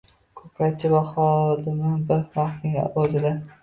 Ko‘katchi va xodima bir vaqtning o‘zida